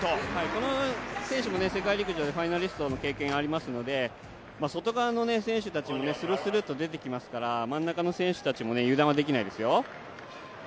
この選手も世界陸上でファイナリストの経験がありますので、外側の選手たちもするするっと出てきますから真ん中の選手たちも油断はできないですよ。